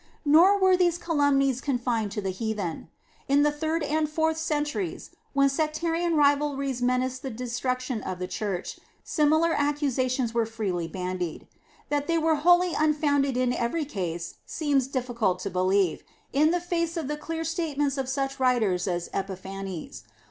Nor were these calumnies confined to the heathen. In the third and fourth centuries, when sectarian rivalries menaced the destruction of the Church, similar accusations were freely bandied. That they were wholly unfounded in every case seems difficult to believe, in the face of the clear statements of such writers as Epiphanes.